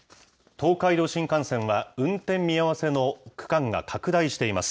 東海道新幹線は、運転見合わせの区間が拡大しています。